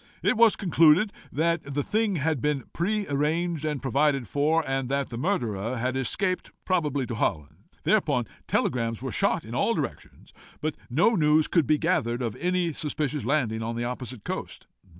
It was concluded that the thing had been pre arranged and provided for, and that the murderer had escaped, probably to Holland. Thereupon telegrams were shot in all directions, but no news could be gathered of any suspicious landing on the opposite coast.